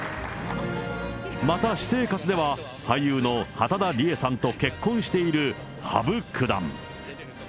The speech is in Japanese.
また私生活では、俳優の畠田理恵さんと結婚している羽生九段。